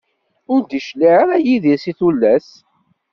Ur d-icliε ara Yidir si tullas.